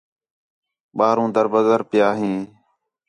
ٻاہروں در بدر پِیا ہین